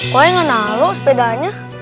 gue gak tahu sepedanya